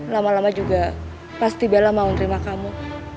lama lama juga pasti bela mau menerima kamu